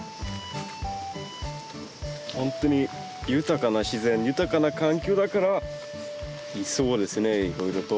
本当に豊かな自然豊かな環境だからいそうですねいろいろと。